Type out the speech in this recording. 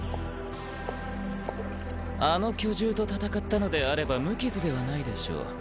あの巨獣と戦ったのであれば無傷ではないでしょう。